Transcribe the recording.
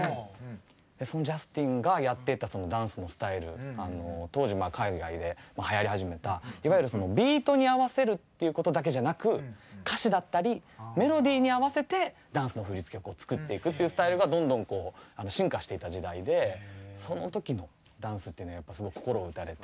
そのジャスティンがやってたダンスのスタイル当時海外ではやり始めたいわゆるビートに合わせるっていうことだけじゃなく歌詞だったりメロディーに合わせてダンスの振り付けを作っていくっていうスタイルがどんどん進化していた時代でその時のダンスっていうのはやっぱすごい心を打たれて。